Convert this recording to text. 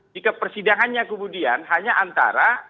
jika persidangannya kemudian hanya antara